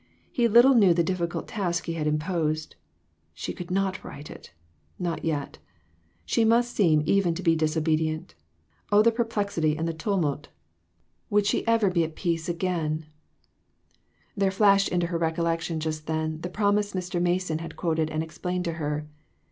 He little knew the difficult task he had imposed. She could not write it ! Not yet. She must seem even to be disobedient. Oh, the perplexity and the tumult ! Would she ever be at peace THREE OF US. 389 again? There flashed into her recollection just then, the promise Mr. Mason had quoted and explained to her.